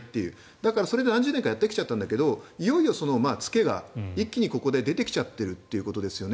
だから、それで何十年かやってきたんだけどいよいよ付けが一気に出てきちゃっているということですよね。